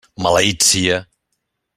Maleït sia!